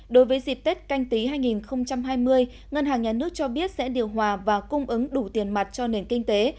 đối với dịp tết canh tí hai nghìn hai mươi ngân hàng nhà nước cho biết sẽ điều hòa và cung ứng đủ tiền mặt cho nền kinh tế